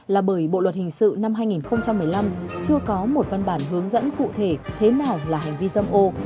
là bởi bộ luật hình sự năm hai nghìn một mươi năm chưa có một văn bản hướng dẫn cụ thể thế nào là hành vi dâm ô